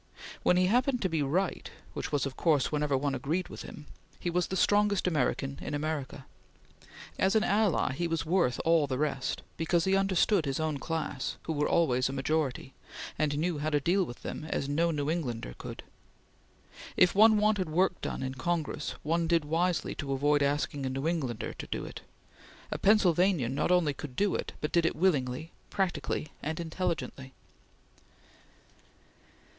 When he happened to be right which was, of course, whenever one agreed with him he was the strongest American in America. As an ally he was worth all the rest, because he understood his own class, who were always a majority; and knew how to deal with them as no New Englander could. If one wanted work done in Congress, one did wisely to avoid asking a New Englander to do it. A Pennsylvanian not only could do it, but did it willingly, practically, and intelligently.